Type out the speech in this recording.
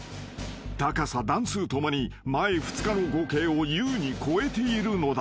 ［高さ段数共に前２日の合計を優に超えているのだ］